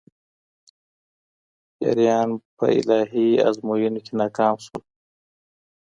پيريان په الهي ازموينو کي ناکام سول